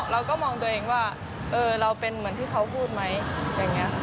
เราก็มองตัวเองว่าเราเป็นเหมือนที่เขาพูดไหมอย่างนี้ค่ะ